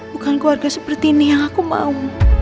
bukan keluarga seperti ini yang aku mau